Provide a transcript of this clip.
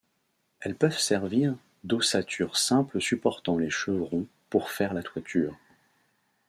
Elles peuvent servir d'ossature simple supportant les chevrons pour faire la toiture.